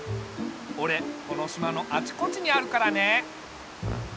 おれこの島のあちこちにあるからね。